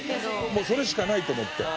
もうそれしかないと思って。